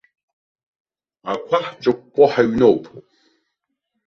Ақәа ҳҿыкәкәо ҳаҩноуп.